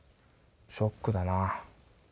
ショックだな。